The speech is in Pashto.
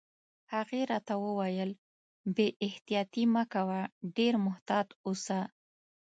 هغې راته وویل: بې احتیاطي مه کوه، ډېر محتاط اوسه.